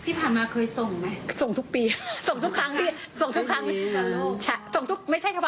ที่ผ่านมาเคยส่งไหม